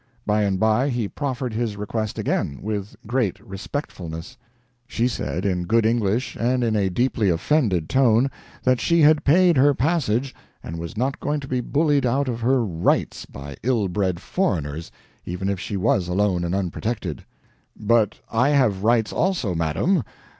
By and by he proferred his request again, with great respectfulness. She said, in good English, and in a deeply offended tone, that she had paid her passage and was not going to be bullied out of her "rights" by ill bred foreigners, even if she was alone and unprotected. "But I have rights, also, madam.